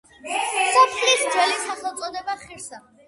სოფლის ძველი სახელწოდებაა ხირსა.